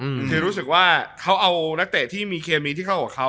บางทีรู้สึกว่าเขาเอานักเตะที่มีเคมีที่เข้ากับเขา